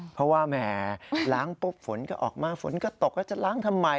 เพราะว่าแหมล้างปุ๊บฝนก็ออกมาฝนก็ตกแล้วจะล้างทำไม